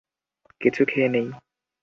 কিছু খেয়ে নেই।